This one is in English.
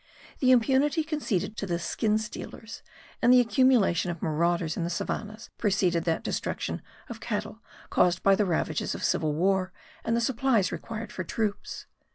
The impunity conceded to the skin stealers and the accumulation of marauders in the savannahs preceded that destruction of cattle caused by the ravages of civil war and the supplies required for troops.